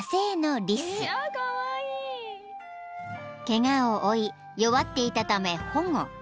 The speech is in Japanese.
［ケガを負い弱っていたため保護］